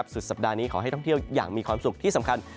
สุดสัปดาห์นี้ขอให้ท่องเที่ยวอย่างมีความสุขที่สำคัญ